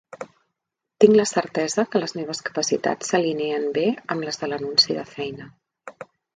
Tinc la certesa que les meves capacitats s'alineen bé amb les de l'anunci de feina.